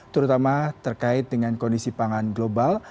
terutama terkait dengan kondisi pangan global